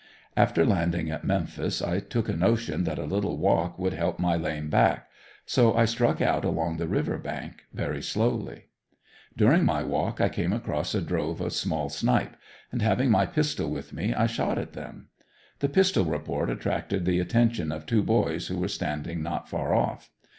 After landing at Memphis I took a notion that a little walk would help my lame back, so I struck out along the river bank, very slowly. During my walk I came across a drove of small snipe, and having my pistol with me, I shot at them. The pistol report attracted the attention of two boys who were standing not far off.